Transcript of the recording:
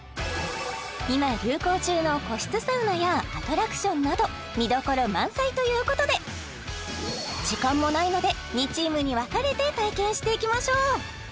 今流行中の個室サウナやアトラクションなど見どころ満載ということで時間もないので２チームに分かれて体験していきましょう